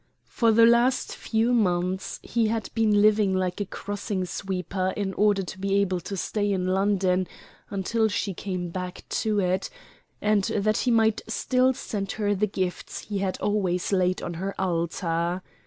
For the last few months he had been living like a crossing sweeper in order to be able to stay in London until she came back to it, and that he might still send her the gifts he had always laid on her altar.